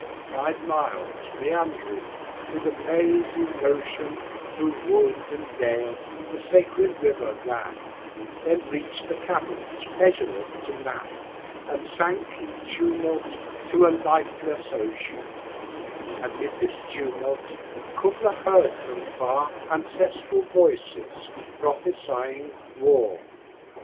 Five miles meandering with a mazy motion 25 Through wood and dale the sacred river ran, Then reach'd the caverns measureless to man, And sank in tumult to a lifeless ocean: And 'mid this tumult Kubla heard from far Ancestral voices prophesying war!